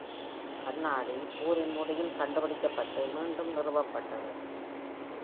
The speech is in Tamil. கண்ணாடி போரின் முடிவில் கண்டுபிடிக்கப்பட்டு மீண்டும் நிறுவப்பட்டது.